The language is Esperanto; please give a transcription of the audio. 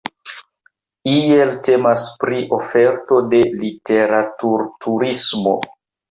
Iel temas pri oferto de literaturturismo.